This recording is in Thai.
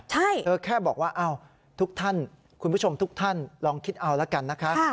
ใช่เธอแค่บอกว่าอ้าวทุกท่านคุณผู้ชมทุกท่านลองคิดเอาละกันนะคะ